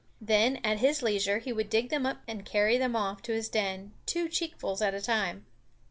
Then, at his leisure, he would dig them up and carry them off to his den, two cheekfuls at a time.